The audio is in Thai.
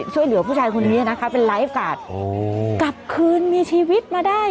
ช่วยเหลือผู้ชายคนนี้นะคะเป็นไลฟ์การ์ดกลับคืนมีชีวิตมาได้